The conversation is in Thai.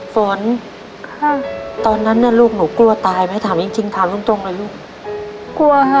ฝนตอนนั้นลูกหนูกลัวตายไหมถามจริงถามรุ่นตรงเลยลูก